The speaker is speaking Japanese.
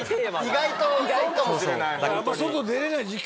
意外とそうかもしれない。